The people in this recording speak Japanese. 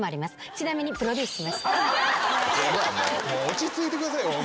落ち着いてくださいよ